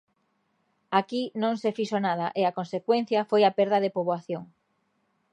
Aquí non se fixo nada e a consecuencia foi a perda de poboación.